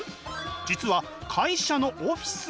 実は会社のオフィス。